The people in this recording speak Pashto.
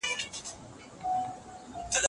املا د پښتو ګرامر په عملي کولو کي مرسته کوي.